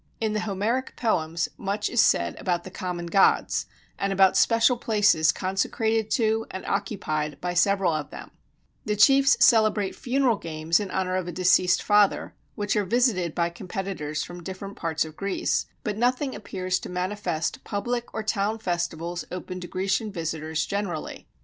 In the Homeric poems much is said about the common gods, and about special places consecrated to and occupied by several of them; the chiefs celebrate funeral games in honor of a deceased father, which are visited by competitors from different parts of Greece, but nothing appears to manifest public or town festivals open to Grecian visitors generally.